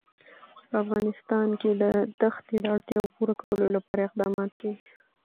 په افغانستان کې د ښتې د اړتیاوو پوره کولو لپاره اقدامات کېږي.